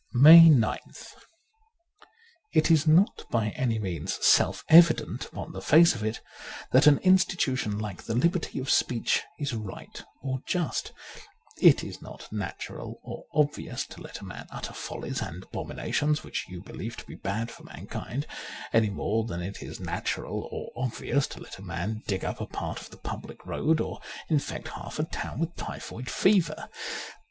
'' 140 MAY 9th IT is not by any means self evident upon the face of it that an institution like the liberty of speech is right or just. It is not natural or obvious to let a man utter follies and abominations which you believe to be bad for mankind any more than it is natural or obvious to let a man dig up a part of the public road, or infect half a town with typhoid fever.